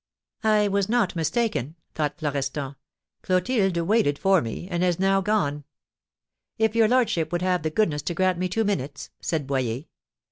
"I was not mistaken," thought Florestan; "Clotilde waited for me, and is now gone." "If your lordship would have the goodness to grant me two minutes," said Boyer.